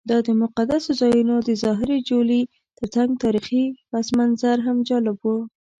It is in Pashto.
دا د مقدسو ځایونو د ظاهري جولې ترڅنګ تاریخي پسمنظر هم جالب و.